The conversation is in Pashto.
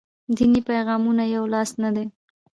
دیني پیغامونه یولاس نه دي.